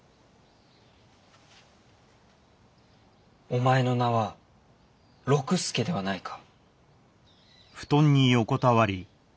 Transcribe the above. お前の名は六助ではないか？